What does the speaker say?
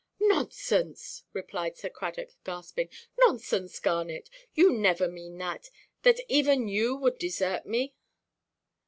"Nonsense!" replied Sir Cradock, gasping; "nonsense, Garnet! You never mean that—that even you would desert me?"